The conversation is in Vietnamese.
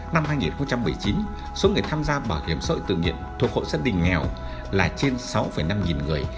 năm hai nghìn một mươi chín số người tham gia bảo hiểm xã hội tự nguyên thuộc hội gia đình nghèo là trên sáu năm người